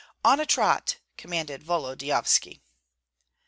"On a trot!" commanded Volodyovski.